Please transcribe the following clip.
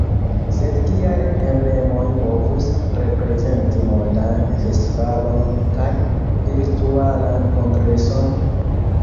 Sed kiaj emblemoj povus reprezenti mondan festivalon kaj virtualan kongreson?